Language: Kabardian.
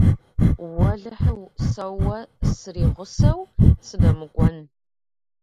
Уэлэхьэ, сэ уэ суригъусэу сынэмыкӀуэн.